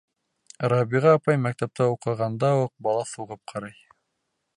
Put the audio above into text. Рабиға апай мәктәптә уҡығанда уҡ балаҫ һуғып ҡарай.